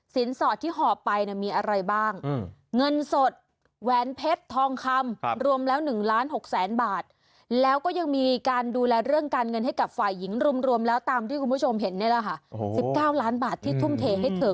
สอดที่หอบไปมีอะไรบ้างเงินสดแหวนเพชรทองคำรวมแล้ว๑ล้าน๖แสนบาทแล้วก็ยังมีการดูแลเรื่องการเงินให้กับฝ่ายหญิงรวมแล้วตามที่คุณผู้ชมเห็นนี่แหละค่ะ๑๙ล้านบาทที่ทุ่มเทให้เธอ